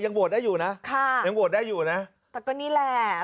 โหวตได้อยู่นะค่ะยังโหวตได้อยู่นะแต่ก็นี่แหละ